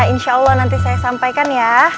insyaallah nanti saya sampaikan ya